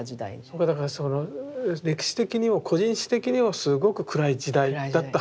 だからその歴史的にも個人史的にもすごく暗い時代だったはずなのに。